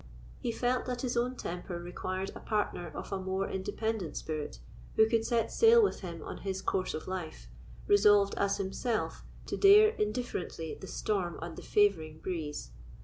He felt that his own temper required a partner of a more independent spirit, who could set sail with him on his course of life, resolved as himself to dare indifferently the storm and the favouring breeze.